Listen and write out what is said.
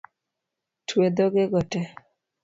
Twe dhoge go tee